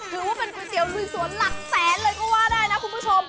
ถือว่าเป็นก๋วยเตี๋ยลุยสวนหลักแสนเลยก็ว่าได้นะคุณผู้ชม